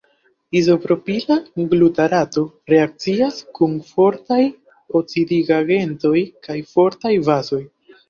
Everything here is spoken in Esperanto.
Izopropila glutarato reakcias kun fortaj oksidigagentoj kaj fortaj bazoj.